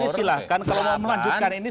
jadi silahkan kalau mau melanjutkan ini